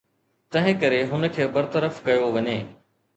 تنهنڪري هن کي برطرف ڪيو وڃي